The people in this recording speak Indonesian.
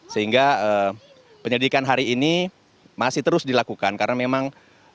sehingga penyelidikan hari ini masih terus dilakukan karena memang